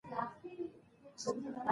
نو له ځان سره فکر کوي ،